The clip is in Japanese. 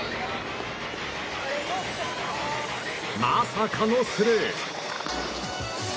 まさかのスルー！